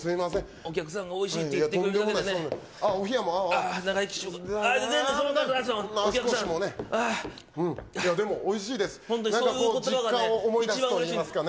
お客さんがおいしいって言ってくれるだけでね。